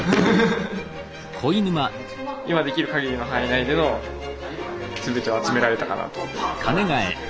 今できるかぎりの範囲内での全てを集められたかなと思います。